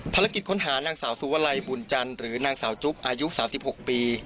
ภารกิจค้นหานางสาวสุวลัยบุญจันทร์หรือนางสาวจุ๊บอายุ๓๖ปี